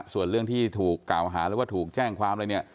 ส่วนเรื่องที่ถูกกล่าวหาหรือว่าถูกแจ้งความอะไรเนี่ย